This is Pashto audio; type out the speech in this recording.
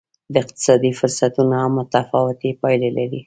د اقتصادي فرصتونو هم متفاوتې پایلې لرلې.